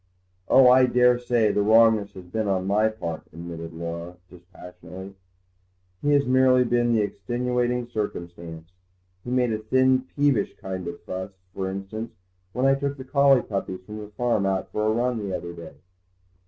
"Oh, I daresay the wrongness has been on my part," admitted Laura dispassionately; "he has merely been the extenuating circumstance. He made a thin, peevish kind of fuss, for instance, when I took the collie puppies from the farm out for a run the other day."